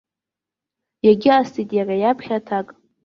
Иагьыҟасҵеит иара иаԥхьа аҭак.